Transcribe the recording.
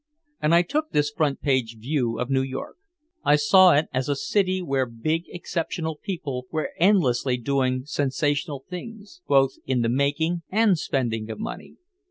And I took this front page view of New York. I saw it as a city where big exceptional people were endlessly doing sensational things, both in the making and spending of money.